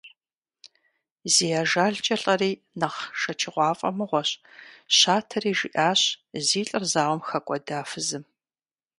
Зи ажалкӀэ лӀэри нэхъ шэчыгъуафӀэ мыгъуэщ, – щатэри жиӀащ зи лӀыр зауэм хэкӀуэда фызым.